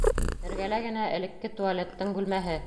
Эргәлә генә элекке туалеттың бүлмәһе.